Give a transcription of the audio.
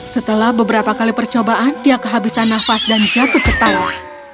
setelah beberapa kali percobaan dia kehabisan nafas dan jatuh ke tangan